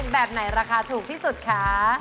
แบบไหนราคาถูกที่สุดคะ